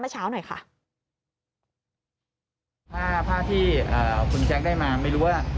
หน่อยค่ะผ้าผ้าที่อ่าคุณแจ๊คได้มาไม่รู้ว่า